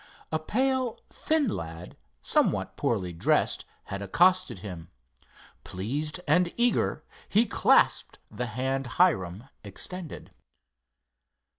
A pale, thin lad, somewhat poorly dressed, had accosted him. Pleased and eager, he clasped the hand Hiram extended.